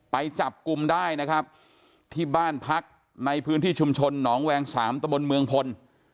ไปจับกลุ่มได้นะครับที่บ้านพักในพื้นที่ชุมชนหนองแวงสามตะบนเมืองพล